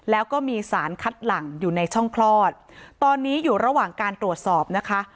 แล้วก็มีสารคัดหลังอยู่ในช่องคลอดตอนนี้อยู่ระหว่างการตรวจสอบนะคะ